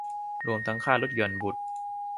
รวมทั้งค่าลดหย่อนบุตร